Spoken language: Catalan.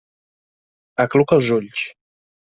Acluca els ulls.